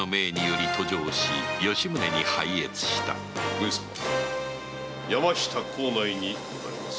上様山下幸内にございます。